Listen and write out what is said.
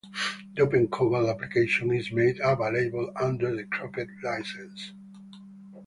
The Open Cobalt application is made available under the Croquet license.